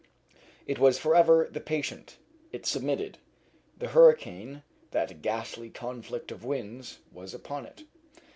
It was for ever the patient; it submitted; the hurricane (that ghastly conflict of winds) was upon it.